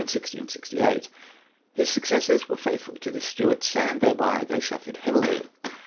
in 1669. His successors were faithful to the Stuarts, and thereby they suffered heavily.